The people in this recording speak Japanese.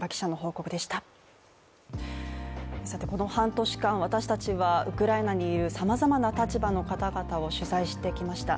この半年間、私たちはウクライナにいるさまざまな立場の方々を取材してきました。